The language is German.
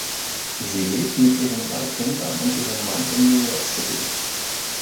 Sie lebt mit ihren drei Kindern und ihrem Mann in New York City.